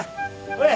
ほれ。